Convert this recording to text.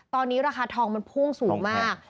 ตอนนี้ราคาทองมันพุ่งสูงมาก